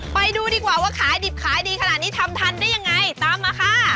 ไปดูดีกว่าว่าขายดิบขายดีขนาดนี้ทำทันได้ยังไงตามมาค่ะ